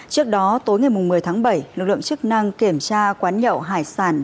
trước đó tối ngày một mươi tháng bảy lực lượng chức năng kiểm tra quán nhậu hải sản